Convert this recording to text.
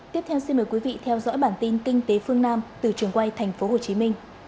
tiếp theo xin mời quý vị theo dõi bản tin kinh tế phương nam từ trường quay tp hcm